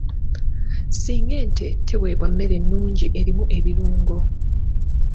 Singa ente teweebwa mmere nnungi erimu ebirungo.